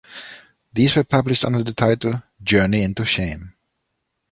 These were published under the title, Journey into Shame.